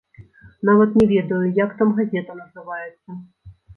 Нават не ведаю, як там газета называецца.